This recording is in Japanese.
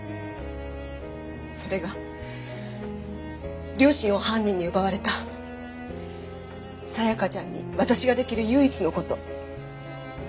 それが両親を犯人に奪われた沙也加ちゃんに私が出来る唯一の事。